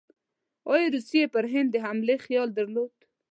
ایا روسیې پر هند د حملې خیال درلود؟